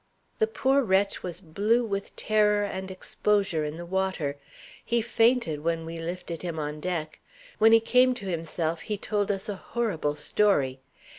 The poor wretch was blue with terror and exposure in the water; he fainted when we lifted him on deck. When he came to himself he told us a horrible story.